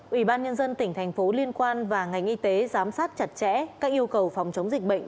ủy ban nhân dân tỉnh thành phố liên quan và ngành y tế giám sát chặt chẽ các yêu cầu phòng chống dịch bệnh